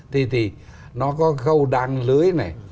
thì nó có câu đăng lưới này